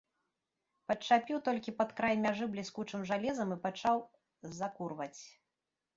Падчапіў толькі пад край мяжы бліскучым жалезам і пачаў закурваць.